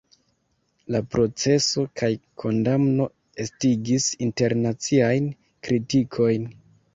La proceso kaj kondamno estigis internaciajn kritikojn.